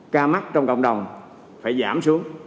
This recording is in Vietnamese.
ca mắc trong cộng đồng phải giảm xuống